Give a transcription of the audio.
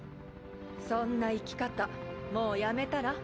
そんな生き方もうやめたら？